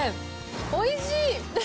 おいしい！